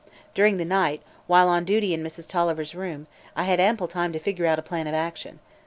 During the night, while on duty in Mrs. Tolliver's room, I had ample time to figure out a plan of action.